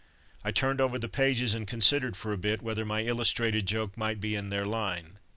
I turned over the pages and considered for a bit whether my illustrated joke might be in their line.